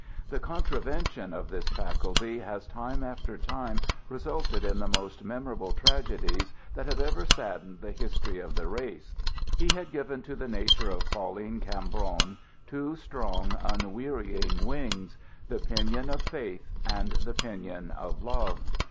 The contravention of this faculty has time after time resulted in the most memorable tragedies that have ever saddened the history of the race. He had given to the nature of Pauline Cambron two strong, unwearying wings: the pinion of faith and the pinion of love.